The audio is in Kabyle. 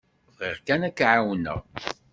Bɣiɣ kan ad k-εawneɣ.